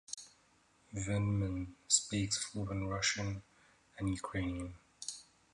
Vindman speaks fluent Russian and Ukrainian.